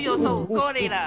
ゴリラ。